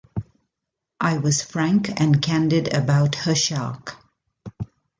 I was frank and candid about her shark.